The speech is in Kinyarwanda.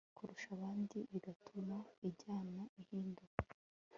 kurusha abandi bigatuma injyana ihinduka